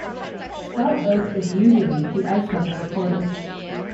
Scott Oake is usually the ice-level reporter.